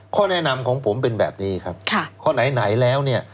ข้อแนะนำของผมเป็นแบบนี้ครับค่ะข้อไหนไหนแล้วเนี่ย